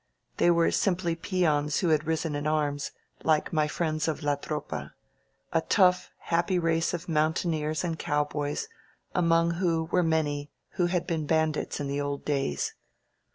They were simply peons who had risen in arms, like my friends of La Tropa — a tough, happy race of mountaineers and cowboys, among whom were many who had been ban dits in the old days.